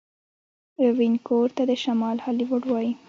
وینکوور ته د شمال هالیوډ وايي.